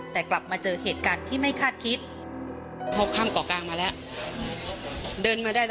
แต่กลับมาเจอเหตุการณ์ที่ไม่คาดคิด